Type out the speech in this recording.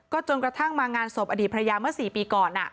จนกระทั่งมางานศพอดีตภรรยาเมื่อ๔ปีก่อน